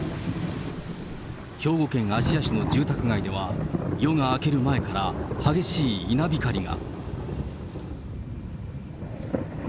兵庫県芦屋市の住宅街では、夜が明ける前から激しい稲光が。